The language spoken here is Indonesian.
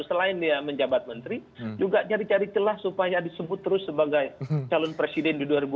selain dia menjabat menteri juga cari cari celah supaya disebut terus sebagai calon presiden di dua ribu dua puluh